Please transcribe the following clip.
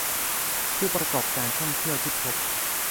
ผู้ประกอบการท่องเที่ยวที่พบ